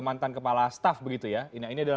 mantan kepala staff begitu ya nah ini adalah